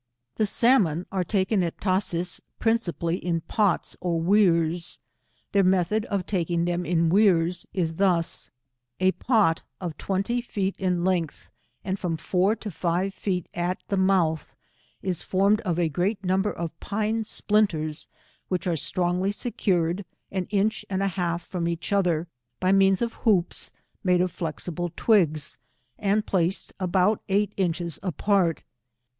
The salmon are taken at Tashees, principally in pots or wears. Their method of taking thera in wears is thus :— A pot of twenty feet in length, and from four to five feet diameter at the mouth, is formed of a great number of pine splinters which are strongly secured, an inch and a half from each other, by means of hoops made of flexible twigs, and placed abought eight inches apart.